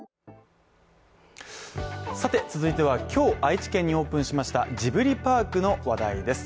続いては、今日、愛知県にオープンしましたジブリパークの話題です。